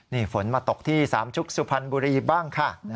นี่ฝนมาตกที่สามชุกสุพรรณบุรีบ้างค่ะ